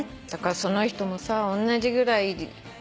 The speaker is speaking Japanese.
その人もさおんなじぐらい。